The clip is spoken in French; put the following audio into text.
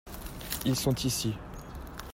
Ils sont ici.